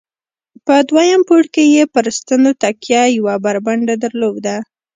په دوهم پوړ کې یې پر ستنو تکیه، یوه برنډه درلوده.